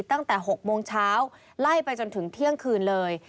ตั้งแต่๖โมงเช้าไล่ไปจนถึงเที่ยงคืนเลย